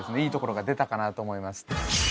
いいところが出たかなと思います